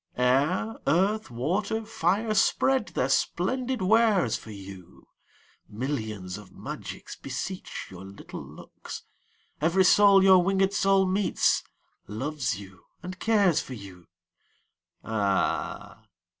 Air, earth, water, fire, spread their splendid wares for you. Millions of magics beseech your little looks; Every soul your winged soul meets, loves you and cares for you. Ah!